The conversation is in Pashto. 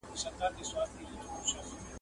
راغلی مه وای د وطن باده ..